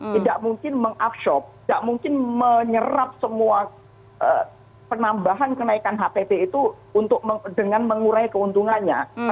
tidak mungkin meng up shop tidak mungkin menyerap semua penambahan kenaikan hpp itu dengan mengurangi keuntungannya